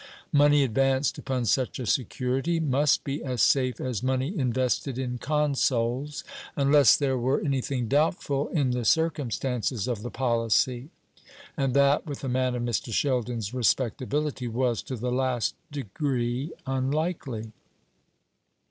Money advanced upon such a security must be as safe as money invested in Consols, unless there were anything doubtful in the circumstances of the policy; and that, with a man of Mr. Sheldon's respectability, was to the last degree unlikely.